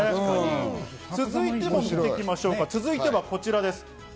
続いても見ていきましょうか、こちらです。